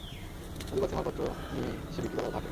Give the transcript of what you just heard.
নদীপথে মালপত্র নিয়ে এসে বিক্রি করা হত হাটে।